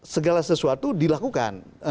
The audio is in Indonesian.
segala sesuatu dilakukan